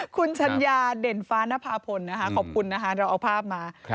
คุณชัญญาเด่นฟ้านภาพลนะคะขอบคุณนะคะเราเอาภาพมา